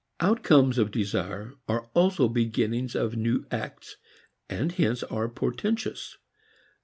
Outcomes of desire are also beginnings of new acts and hence are portentous.